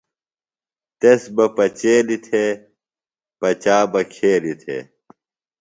تس بہ پچیلیۡ تھےۡ، پچا بہ کھیلیۡ تھےۡ